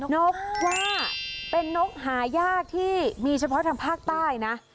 นกว่าเป็นนกหายากที่มีเฉพาะทางภาคใต้นะ